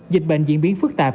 dịch bệnh diễn biến phức tạp